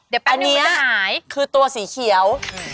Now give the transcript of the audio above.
เดี๋ยวแป๊บนึงก็จะหายอันนี้คือตัวสีเขียว